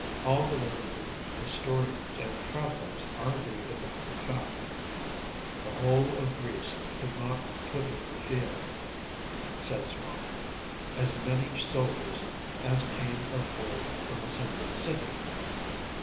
All the later Greek historians and travellers are agreed about the fact.(95) “The whole of Greece could not put in the field,‚ÄĚ says one, “as many soldiers as came of old from a single city.